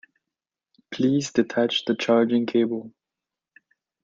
Please detach the charging cable.